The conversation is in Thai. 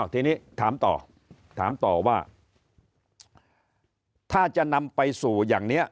ทีนี้ถามต่อถามต่อว่าถ้าจะนำไปสู่อย่างนี้